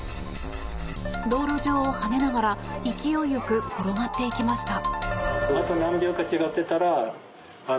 道路上を跳ねながら勢いよく転がっていきました。